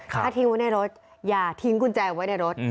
ถ้าทิ้งไว้ในรถอย่าทิ้งกุญแจไว้ในรถ